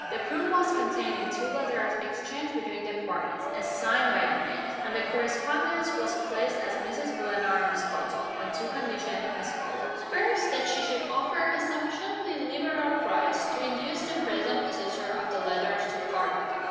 The proof was contained in two letters exchanged between the parties, and signed by their names; and the correspondence was placed at Mrs. Glenarm's disposal, on two conditions, as follows: First, that she should offer a sufficiently liberal price to induce the present possessor of the letters to part with them.